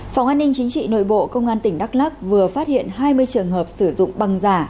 phòng an ninh chính trị nội bộ công an tỉnh đắk lắc vừa phát hiện hai mươi trường hợp sử dụng băng giả